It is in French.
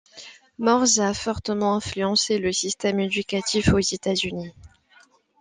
Morse a fortement influencé le système éducatif aux États-Unis.